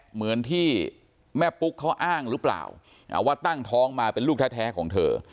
เหมือนที่แม่ปุ๊กเขาอ้างหรือเปล่าว่าตั้งท้องมาเป็นลูกแท้ของเธอ